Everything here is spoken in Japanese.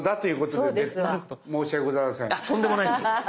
とんでもないです。